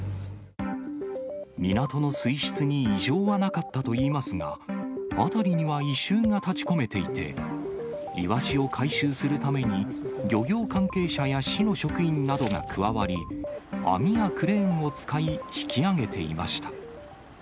港の水質に異常はなかったといいますが、辺りには異臭が立ちこめていて、イワシを回収するために、漁業関係者や市の職員などが加わり、網やクレーンなどを使い、引き揚げていました。